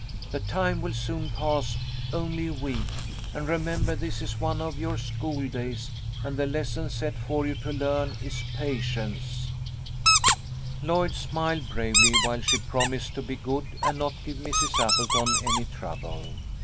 The time will soon pass only a week, and remem "TO BARLEY BRIGHT." 53 ber this is one of your school days, and the lesson set for you to learn is Patience" Lloyd smiled bravely while she promised to be good and not give Mrs. Appleton any trouble.